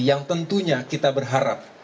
yang tentunya kita berharap